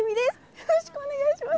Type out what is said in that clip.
よろしくお願いします。